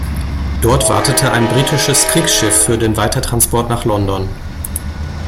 Dort wartete ein britisches Kriegsschiff für den Weitertransport nach London.